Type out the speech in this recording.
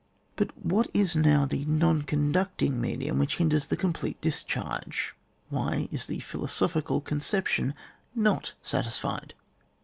But what is now th^ non conducting medium which hinders the complete dis charge ? Why is the philosophical con ception not satisfied?